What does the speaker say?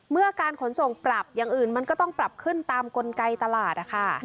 เมื่อการขนส่งปรับอย่างอื่นมันก็ต้องปรับขึ้นตามกลไกตลาดนะคะ